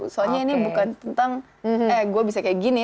soalnya ini bukan tentang eh gue bisa kayak gini